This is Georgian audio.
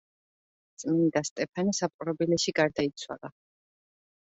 წმინდა სტეფანე საპყრობილეში გარდაიცვალა.